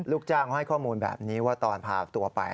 ลูกจ้างเขาให้ข้อมูลแบบนี้ว่าตอนพาตัวไป